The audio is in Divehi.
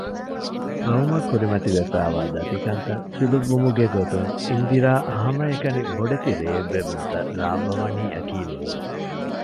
ޤައުމަށް ކުރިމަތިވެފައިވާ ދަތިކަންތައް ފިލުއްވުމުގެ ގޮތުން އިންދިރާ ހަމައެކަނި ބޮޑެތި ރޭއްވެވުންތައް ރާއްވަވަނީއަކީ ނޫން